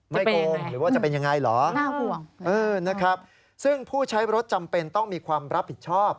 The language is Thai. ไม่โกงหรือว่าจะเป็นอย่างไรหรอนะครับซึ่งผู้ใช้รถจำเป็นต้องมีความรับผิดชอบ